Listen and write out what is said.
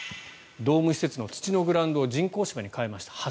ドーム施設の土のグラウンドを人工芝に変えました。